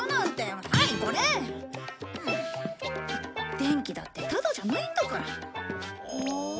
電気だってタダじゃないんだから。